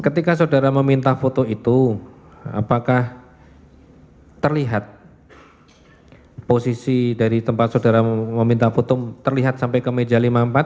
ketika saudara meminta foto itu apakah terlihat posisi dari tempat saudara meminta foto terlihat sampai ke meja lima puluh empat